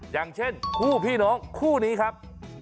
อย่างเช่นคู่พี่น้องคู่นี้ครับ